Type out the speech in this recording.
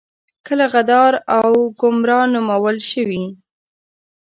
کله غدار او ګمرا نومول شوي.